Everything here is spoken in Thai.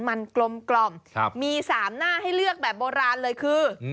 มันกลมกล่อมมี๓หน้าให้เลือกแบบโบราณเลยคือ